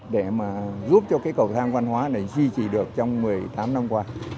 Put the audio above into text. để mà giúp cho cái cầu thang văn hóa này duy trì được trong một mươi tám năm qua